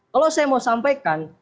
kalau saya mau sampaikan